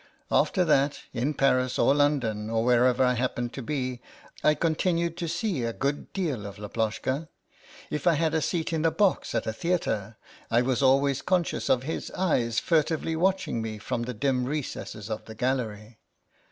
After that, in Paris or London or wherever 72 THE SOUL OF LAPLOSHKA I happened to be, I continued to see a good deal of Laploshka. If I had a seat in a box at a theatre I was always conscious of his eyes furtively watching me from the dim recesses of the gallery.